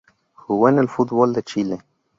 Jugó en el fútbol de Chile.